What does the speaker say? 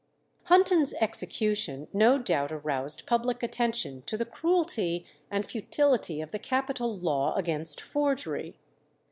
Hunton's execution no doubt aroused public attention to the cruelty and futility of the capital law against forgery.